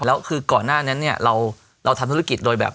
แล้วคือก่อนหน้านั้นเนี่ยเราทำธุรกิจโดยแบบ